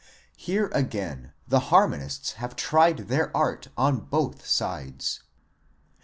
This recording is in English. Here again the harmonists have tried their art on both sides.